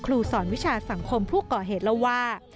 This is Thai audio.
ครูสอนวิชาสังคมผู้ก่อเหตุเล่าว่า